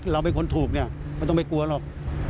เราเป็นคนถูกเนี่ยไม่ต้องไปกลัวหรอก